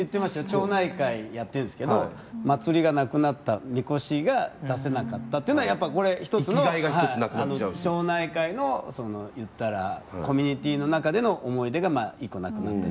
町内会やってるんですけど祭りがなくなったみこしが出せなかったのは１つの町内会の、言ったらコミュニティーの中での思い出がまあ、１個なくなった。